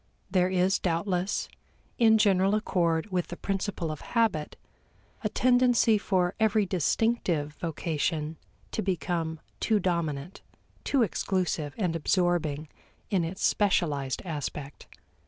There is doubtless in general accord with the principle of habit a tendency for every distinctive vocation to become too dominant, too exclusive and absorbing in its specialized aspect.